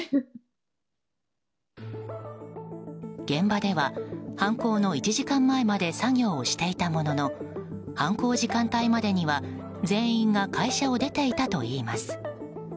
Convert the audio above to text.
現場では犯行の１時間前まで作業をしてたものの犯行時間帯までには全員が会社を出ていたといいます。